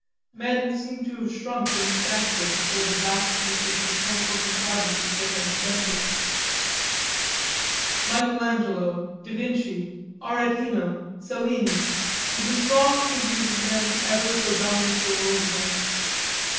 Men seemed to have shrunk in stature before the vastness of the mechanical contrivances they had invented. Michael Angelo, da Vinci, Aretino, Cellini; would the strong figures of men ever so dominate the world again?